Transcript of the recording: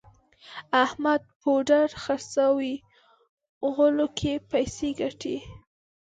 احمد پوډر خرڅوي غولو کې پیسې ګټي.